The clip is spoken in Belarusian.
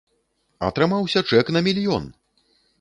Атрымаўся чэк на мільён!